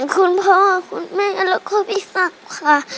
คุณพ่อคุณแม่แล้วก็พี่ศักดิ์ค่ะ